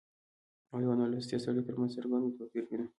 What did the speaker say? او يوه نالوستي سړي ترمنځ څرګند توپير وينو